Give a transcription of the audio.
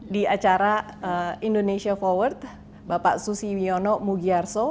di acara indonesia forward bapak susi wiono mugiarso